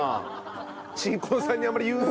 新婚さんにあまり言う。